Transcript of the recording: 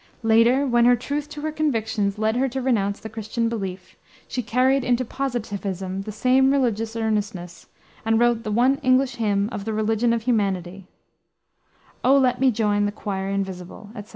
Later, when her truth to her convictions led her to renounce the Christian belief, she carried into Positivism the same religious earnestness, and wrote the one English hymn of the religion of humanity: "O, let me join the choir invisible," etc.